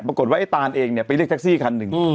ปรากฏว่าไอ้ตานเองเนี่ยไปเรียกแท็กซี่คันหนึ่ง